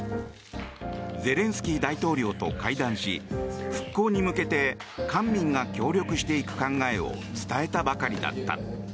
ゼレンスキー大統領と会談し復興に向けて官民が協力していく考えを伝えたばかりだった。